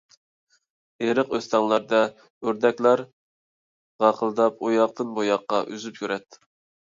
ئېرىق-ئۆستەڭلەردە ئۆردەكلەر غاقىلداپ، ئۇياقتىن-بۇياققا ئۈزۈپ يۈرەتتى.